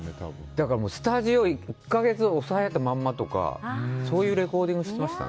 だから、スタジオ１か月押さえたまんまとかそういうレコーディングをしてましたね。